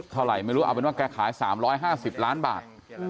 เท่าไหร่ไม่รู้เอาเป็นว่าแกขาย๓๕๐ล้านบาท